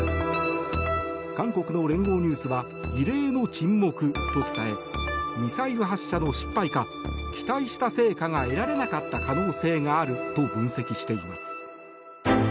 韓国の連合ニュースは異例の沈黙と伝えミサイル発射の失敗か期待した成果が得られなかった可能性があると分析しています。